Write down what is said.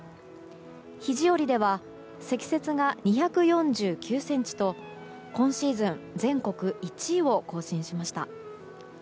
肘折では積雪が２４９ｃｍと今シーズン全国１位を更新しました。